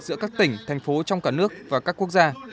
giữa các tỉnh thành phố trong cả nước và các quốc gia